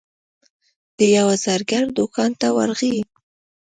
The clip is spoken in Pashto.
د یوه زرګر دوکان ته ورغی.